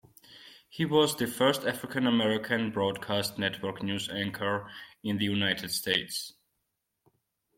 He was the first African-American broadcast network news anchor in the United States.